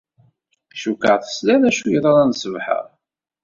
Cukkeɣ tesliḍ acu yeḍran ṣṣbeḥ-a.